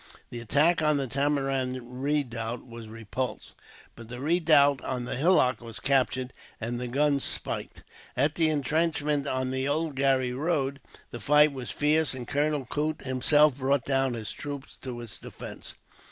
The attack on the Tamarind redoubt was repulsed, but the redoubt on the hillock was captured, and the guns spiked. At the intrenchment on the Oulgarry Road the fight was fierce, and Colonel Coote himself brought down his troops to its defence.